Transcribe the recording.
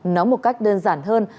nó một cách đơn giản hơn